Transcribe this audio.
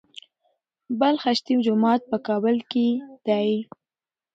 پل خشتي جومات په کابل کي دی